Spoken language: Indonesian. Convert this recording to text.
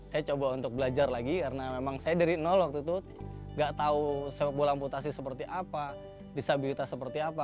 saya coba untuk belajar lagi karena memang saya dari nol waktu itu gak tahu sepak bola amputasi seperti apa disabilitas seperti apa